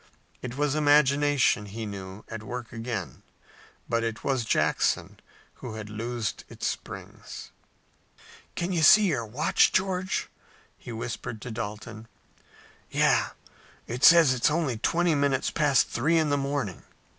It was imagination, he knew, at work again, but it was Jackson who had loosed its springs. "Can you see your watch, George?" he whispered to Dalton. "Yes, and its says only twenty minutes past three in the morning."